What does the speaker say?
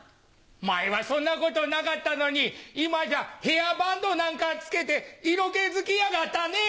前はそんなことなかったのに今じゃヘアバンドなんか着けて色気づきやがったねぇ。